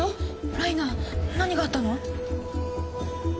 ライナ何があったの？